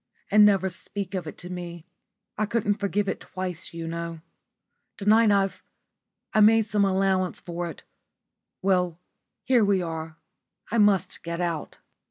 And never speak of it to me. I couldn't forgive it twice, you know. To night I've I made some allowance for well, here we are. I must get out."